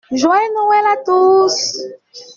Joyeux Noël à tous!